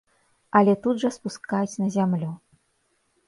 Але тут жа спускаюць на зямлю.